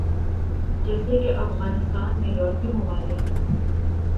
جیسے کے افغانستان میں یورپی ممالک